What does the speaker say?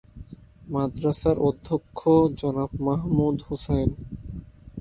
মাদ্রাসার অধ্যক্ষ জনাব মাহমুদ হুসাইন।